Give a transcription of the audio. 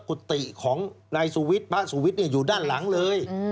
กุฏิของนายสุวิทย์พระสุวิทย์อยู่ด้านหลังเลย